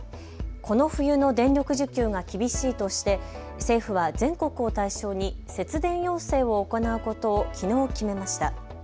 この冬の電力需給が厳しいとして政府は全国を対象に節電要請を行うことをきのう決めました。